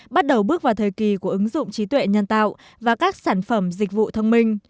bắt đầu bước vào thời kỳ của ứng dụng trí tuệ nhân tạo và các sản phẩm dịch vụ thông minh